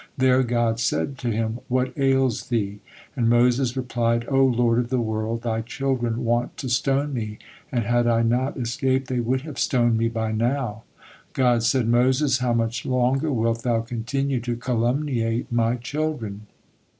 There God said to him: "What ails thee?" and Moses replied: "O Lord of the world! Thy children want to stone me, and had I not escaped, they would have stoned me by now." God said: "Moses, how much longer wilt thou continue to calumniate My children?